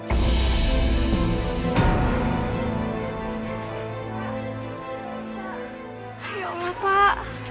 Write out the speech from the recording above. ya allah pak